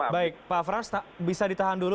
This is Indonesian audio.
baik pak frans bisa ditahan dulu